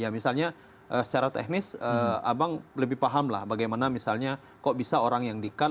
misalnya secara teknis abang lebih paham lah bagaimana misalnya kok bisa orang yang di count